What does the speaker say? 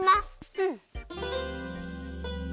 うん。